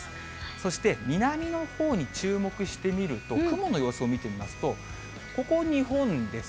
そして南のほうに注目して見ると、雲の様子を見てみますと、ここ、日本です。